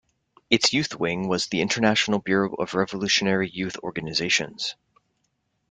Its youth wing was the International Bureau of Revolutionary Youth Organizations.